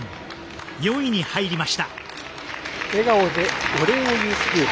４位に入りました。